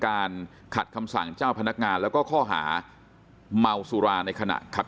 ขัดคำสั่งเจ้าพนักงานแล้วก็ข้อหาเมาสุราในขณะขับ